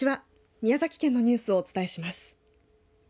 宮崎県のニュースをお伝えします。